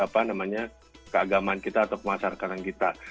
apa namanya keagamaan kita atau pemasarkan kita